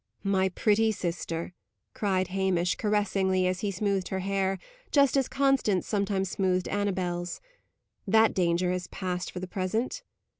"My pretty sister!" cried Hamish, caressingly, as he smoothed her hair, just as Constance sometimes smoothed Annabel's: "that danger has passed for the present."